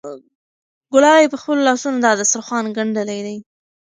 ګلالۍ په خپلو لاسونو دا دسترخوان ګنډلی دی.